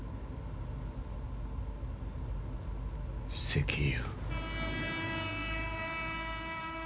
石油。